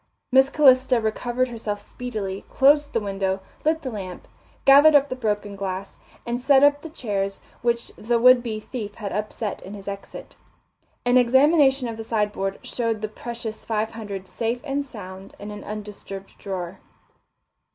Miss Calista recovered herself speedily, closed the window, lit the lamp, gathered up the broken glass, and set up the chairs which the would be thief had upset in his exit. An examination of the sideboard showed the precious five hundred safe and sound in an undisturbed drawer.